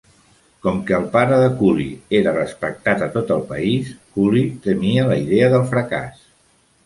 Com que el pare de Cooley era respectat a tot el país, Cooley temia la idea del fracàs.